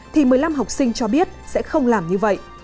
thì một mươi năm học sinh cho biết sẽ không làm như vậy